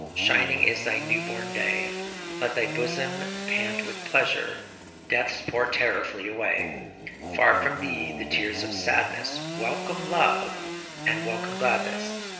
Shining is thy new born day ; Let thy bosom pant with pleasure, Death's poor terror flee away ; Far from thee the tears of sadness, Welcome love and welcome gladness